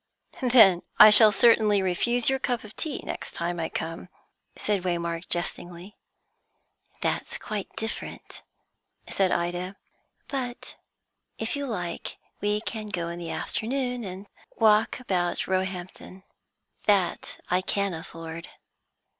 "Then I shall certainly refuse your cup of tea next time I come," said Waymark jestingly. "That's quite different," said Ida. "But if you like, we can go in the afternoon, and walk about Roehampton; that I can afford."